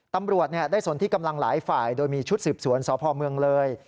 ตำรวจได้สนที่กำลังหลายฝ่ายโดยมีชุดสืบสวนสพเมืองเลย